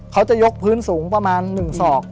เขาจะยกพื้นสูงประมาณ๑ศอก